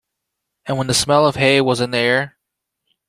And when the smell of hay was in the air!